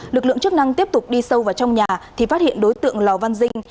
lực lượng chức năng tiếp tục đi sâu vào trong nhà thì phát hiện đối tượng lò văn dinh